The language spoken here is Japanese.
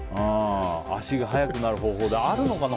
足が速くなる方法ねあるのかな。